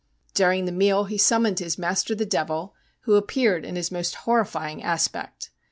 During the meal lie summoned his master the Devil, who appeared in his most horrifying aspect.